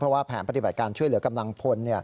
เพราะว่าแผนปฏิบัติการช่วยเหลือกำลังพล